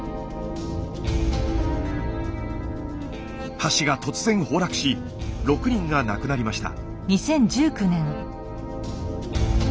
橋が突然崩落し６人が亡くなりました。